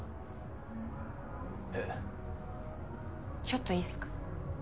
ちょっといいっすか？